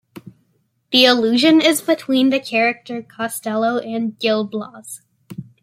The allusion is between the character Castelo and Gil Blas.